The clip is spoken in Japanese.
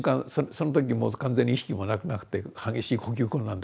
その時もう完全に意識もなくなって激しい呼吸困難であえいでたんです。